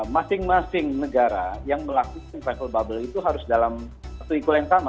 masing masing negara yang melakukan travel bubble itu harus dalam satu equal yang sama